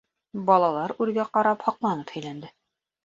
Балалар, үргә ҡарап, һоҡланып һөйләнде.